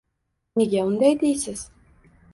Nega unday deysiz